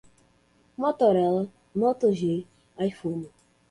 Motorola, MotoG, Iphone